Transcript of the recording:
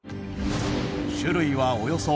種類はおよそ８０。